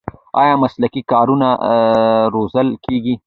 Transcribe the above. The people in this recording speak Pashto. آیا مسلکي کادرونه روزل کیږي؟